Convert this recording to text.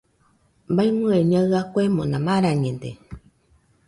Baimɨe Ñaɨa kuemona marañede.